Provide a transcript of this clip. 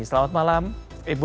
selamat malam ibu